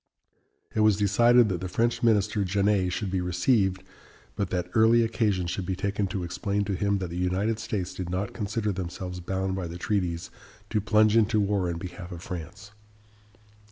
It was decided that the French minister, Genet, should be received, but that early occasion should be taken to explain to him that the United States did not consider themselves bound by the treaties to plunge into war in behalf of France.